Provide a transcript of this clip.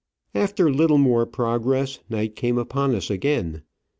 After little more progress, night came upon us again.